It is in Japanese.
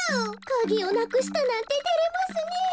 カギをなくしたなんててれますねえ。